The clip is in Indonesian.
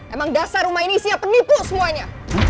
emang dasar rumah ini siap penipu semuanya